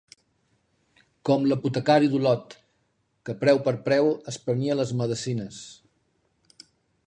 Com l'apotecari d'Olot, que, preu per preu, es prenia les medecines.